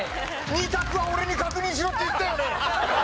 ２択は俺に確認しろって言ったよね！？